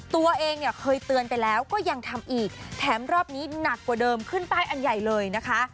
ตัวเองเนี่ยเคยเตือนไปแล้วก็ยังทำอีกแถมรอบนี้หนักกว่าเดิมขึ้นป้ายอันใหญ่เลยนะคะ